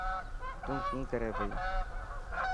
تون ڪي ڪري پئي.